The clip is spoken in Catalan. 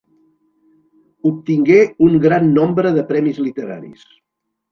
Obtingué un gran nombre de premis literaris.